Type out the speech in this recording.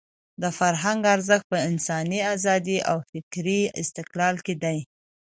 د فرهنګ ارزښت په انساني ازادۍ او په فکري استقلال کې دی.